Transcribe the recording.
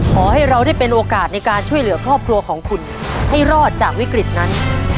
ขอให้เราได้เป็นโอกาสในการช่วยเหลือครอบครัวของคุณให้รอดจากวิกฤตนั้น